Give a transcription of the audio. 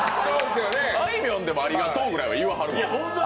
あいみょんでも「ありがとう」くらいは言う。